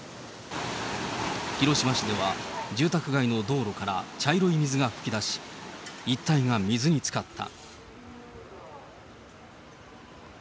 広島市では、住宅街の道路から茶色い水が噴き出し、一帯が水につかった。